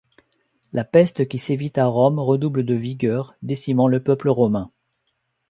La peste qui sévit à Rome redouble de vigueur, décimant le peuple romain.